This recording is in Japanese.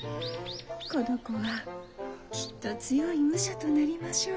この子はきっと強い武者となりましょう。